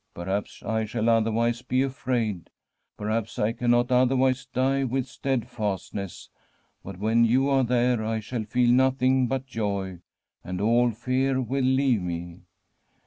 Perhaps I shall otherwise be afraid ; per haps I cannot otherwise die with steadfastness. But when you are there I shall feel nothing but joy, and all fear will leave me.'